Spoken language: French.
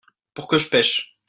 pour que je pêche.